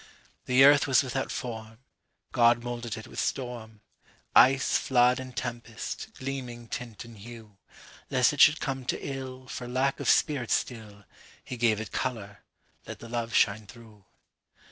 (The earth was without form; God moulded it with storm, Ice, flood, and tempest, gleaming tint and hue; Lest it should come to illFor lack of spirit still, He gave it colour,—let the love shine through.)